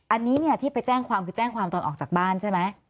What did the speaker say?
อันนี้เนี่ยที่ไปแจ้งความคือแจ้งความตอนออกจากบ้านใช่ไหม